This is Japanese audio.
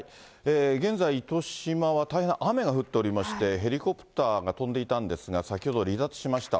現在、糸島は大変雨が降っておりまして、ヘリコプターが飛んでいたんですが、先ほど離脱しました。